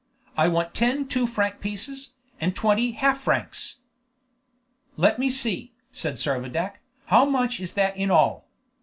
"I want ten two franc pieces, and twenty half francs." "Let me see," said Servadac, "how much is that in all?